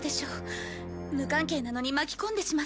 無関係なのに巻き込んでしまって。